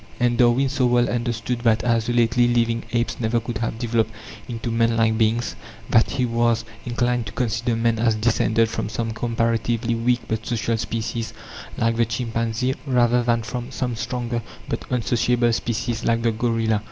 And Darwin so well understood that isolately living apes never could have developed into man like beings, that he was inclined to consider man as descended from some comparatively weak but social species, like the chimpanzee, rather than from some stronger but unsociable species, like the gorilla.